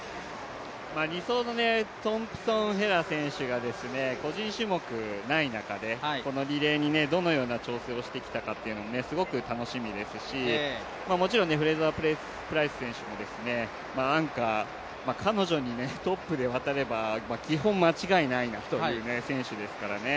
２走のトンプソンヘラ選手が個人種目ない中で、このリレーにどのような調整をしてきたかというのはすごく楽しみですし、もちろんフレイザープライス選手もアンカー、彼女にトップで渡れば基本間違いないなという選手ですからね。